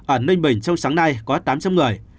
ở ninh bình trong sáng nay có tám trăm linh người